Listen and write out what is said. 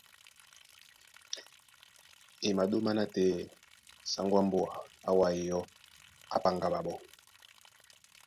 E maɗóma nátɛɛ sáŋgó á mbóa á wá ó iyɔ́, á páŋgá ɓaɓɔ́.